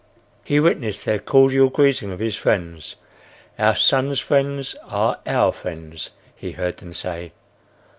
He witnessed their cordial greeting of his friends. "Our son's friends are our friends," he heard them say.